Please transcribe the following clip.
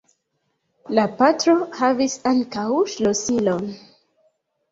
La patro havis ankaŭ ŝlosilon.